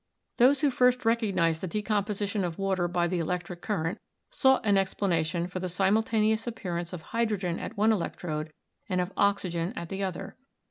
Those who first recognised the decomposition of water by the electric current sought an explanation for the sim ultaneous appearance of hydrogen at one electrode and of oxygen at the other.